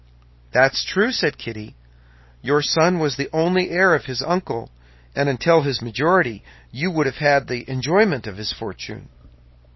"That's true," said Kitty; "your son was the only heir of his uncle, and until his majority you would have had the enjoyment of his fortune."